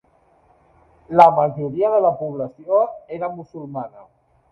La majoria de la població era musulmana.